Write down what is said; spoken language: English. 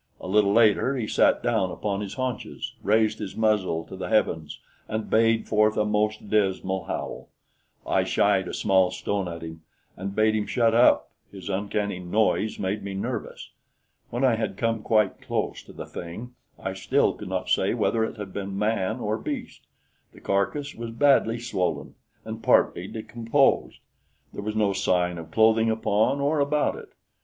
A little later he sat down upon his haunches, raised his muzzle to the heavens and bayed forth a most dismal howl. I shied a small stone at him and bade him shut up his uncanny noise made me nervous. When I had come quite close to the thing, I still could not say whether it had been man or beast. The carcass was badly swollen and partly decomposed. There was no sign of clothing upon or about it.